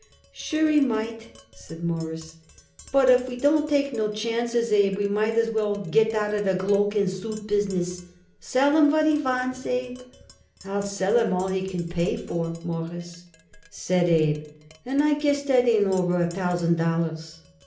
"Sure he might," said Morris, "but if we don't take no chances, Abe, we might as well go out of the cloak and suit business. Sell him all he wants, Abe." "I'll sell him all he can pay for, Mawruss," said Abe, "and I guess that ain't over a thousand dollars."